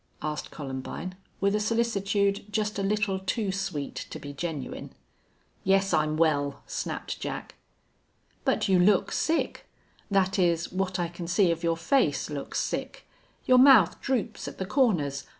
asked Columbine, with a solicitude just a little too sweet to be genuine. "Yes, I'm well," snapped Jack. "But you look sick. That is, what I can see of your face looks sick. Your mouth droops at the corners.